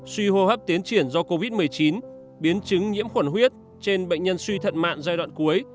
suy hô hấp tiến triển do covid một mươi chín biến chứng nhiễm khuẩn huyết trên bệnh nhân suy thận mạng giai đoạn cuối